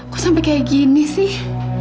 kok sampai kayak gini sih